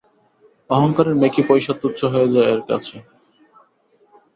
অহংকারের মেকি পয়সা তুচ্ছ হয়ে যায় এর কাছে।